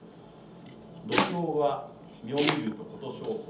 土俵は妙義龍と琴勝峰